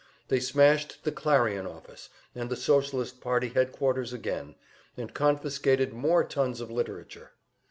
They smashed the "Clarion" office and the Socialist Party headquarters again, and confiscated more tons of literature.